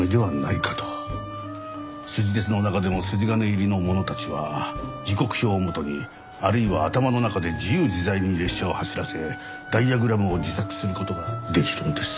スジ鉄の中でも筋金入りの者たちは時刻表をもとにあるいは頭の中で自由自在に列車を走らせダイヤグラムを自作する事ができるんです。